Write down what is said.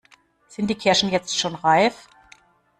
Sind die Kirschen jetzt schon reif?